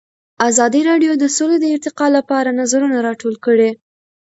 ازادي راډیو د سوله د ارتقا لپاره نظرونه راټول کړي.